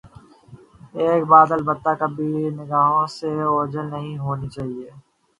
ایک بات البتہ کبھی نگاہوں سے اوجھل نہیں ہونی چاہیے۔